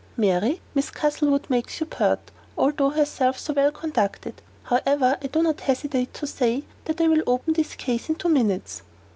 "Mary, Miss Castlewood makes you pert, although herself so well conducted. However, I do not hesitate to say that I will open this case in two minutes."